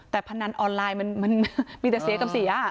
แต่พนันออนไลน์มันมีแต่เสียกับเสีย